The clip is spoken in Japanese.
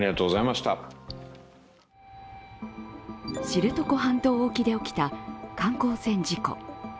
知床半島沖で起きた観光船事故。